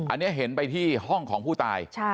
อันนี้เห็นไปที่ห้องของผู้ตาย